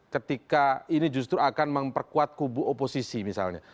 ketika ini justru akan memperkuat kubu oposisi misalnya